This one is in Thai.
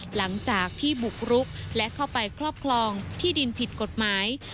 หลังจากที่บุกรุกและเข้าไปครอบครองที่ดินผิดกฎหมาย